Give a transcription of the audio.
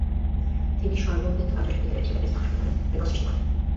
তিনি সর্বাপেক্ষা বয়োজ্যেষ্ঠ ক্রিকেটার হিসেবে টেস্টে অংশগ্রহণের রেকর্ড সৃষ্টি করেন।